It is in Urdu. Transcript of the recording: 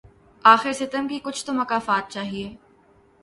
آخر ستم کی کچھ تو مکافات چاہیے